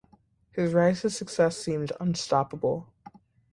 His rise to success seemed unstoppable.